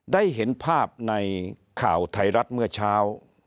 ได้เห็นภาพในข่าวไทยรัฐเมื่อเช้า